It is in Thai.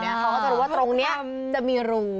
เขาก็จะรู้ว่าตรงนี้จะมีรู